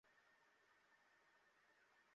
আমি সংক্ষেপে বলছি।